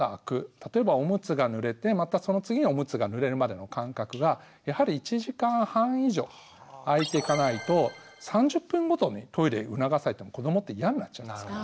例えばオムツがぬれてまたその次のオムツがぬれるまでの間隔がやはり１時間半以上あいていかないと３０分ごとにトイレ促されても子どもって嫌になっちゃいますから。